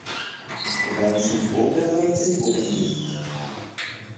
Waren sie vorbereitet oder nicht?